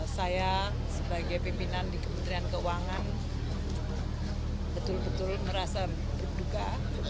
saya sebagai pimpinan di kementerian keuangan betul betul merasa berduka